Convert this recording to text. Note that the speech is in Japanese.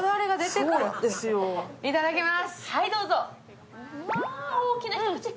いただきます！